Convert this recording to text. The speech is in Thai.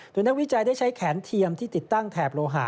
โดยนักวิจัยได้ใช้แขนเทียมที่ติดตั้งแถบโลหะ